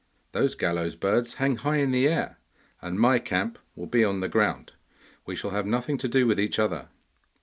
'Those gallows birds hang high in the air, and my camp will be on the ground; we shall have nothing to do with each other.